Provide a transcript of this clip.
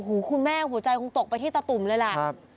คุณแม่หัวใจคงตกไปที่ตะตุ่มเลยล่ะ